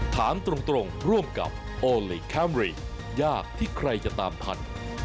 ถามตรงร่วมกับโอลี่คัมรี่ยากที่ใครจะตามทัน